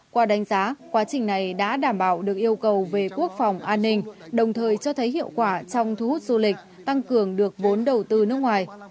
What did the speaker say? qua đánh giá quá trình này đã đảm bảo được yêu cầu về quốc phòng an ninh đồng thời cho thấy hiệu quả trong thu hút du lịch tăng cường được vốn đầu tư nước ngoài